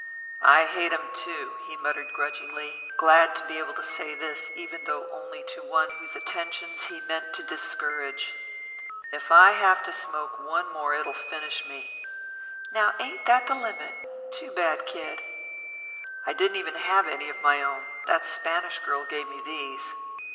"I hate 'em, too," he muttered grudgingly, glad to be able to say this, even though only to one whose attentions he meant to discourage. "If I have to smoke one more it'll finish me." "Now, ain't that the limit? Too bad, Kid!" "I didn't even have any of my own. That Spanish girl gave me these."